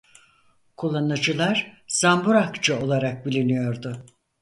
Kullanıcılar zamburakçı olarak biliniyordu.